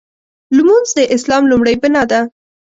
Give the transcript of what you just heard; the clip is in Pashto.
لمونځ د اسلام لومړۍ بناء ده.